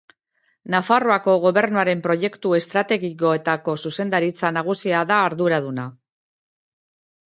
Nafarroako Gobernuaren Proiektu Estrategikoetako Zuzendaritza Nagusia da arduraduna.